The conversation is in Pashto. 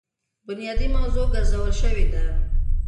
بنيادي موضوع ګرځولے شوې ده.